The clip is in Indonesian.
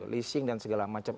leasing dan segala macam